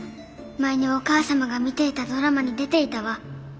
前にお母様が見ていたドラマに出ていたわ。